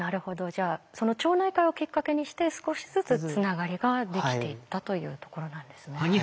じゃあその町内会をきっかけにして少しずつつながりができていったというところなんですね。